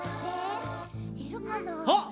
あっ！